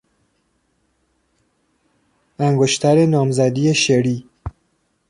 انگشتر نامزدی شری